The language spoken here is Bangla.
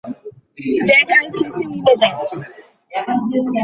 জ্যাক আর ক্রিসি মিলে যায়।